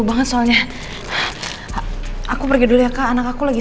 kayanya apa yang aku iranianil udah ngakutin